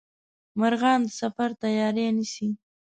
مرغان د سفر تیاري نیسي